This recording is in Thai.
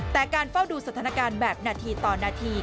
แต่การเฝ้าดูสถานการณ์แบบนาทีต่อนาที